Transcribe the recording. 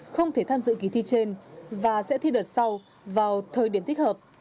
không thể tham dự kỳ thi trên và sẽ thi đợt sau vào thời điểm thích hợp